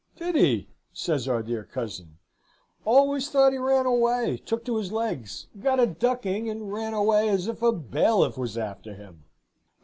"'Did he?' says our dear cousin; 'always thought he ran away; took to his legs; got a ducking, and ran away as if a bailiff was after him.'